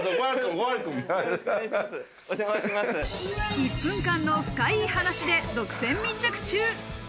『１分間の深イイ話』で独占密着中。